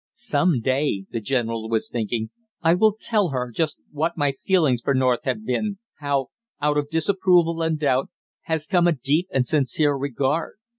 "Some day," the general was thinking, "I will tell her just what my feelings for North have been, how out of disapproval and doubt has come a deep and sincere regard."